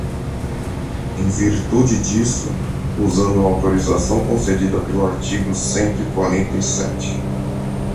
Em virtude disto, usando a autorização concedida pelo artigo cento e quarenta e sete.